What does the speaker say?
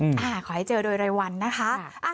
ขอให้เจอโดยรายวันนะคะ